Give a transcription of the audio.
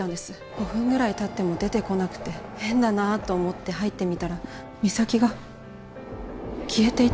５分ぐらい経っても出てこなくて変だなと思って入ってみたら岬が消えていたんです。